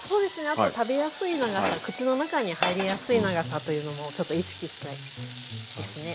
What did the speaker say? あと食べやすい長さ口の中に入りやすい長さというのもちょっと意識したいですね。